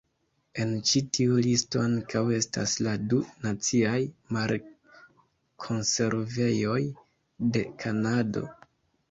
En ĉi tiu listo ankaŭ estas la du Naciaj Mar-Konservejoj de Kanado.